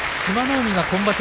海が今場所